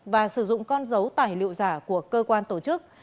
và sử dụng con dấu tài liệu giả của cơ quan tổ chức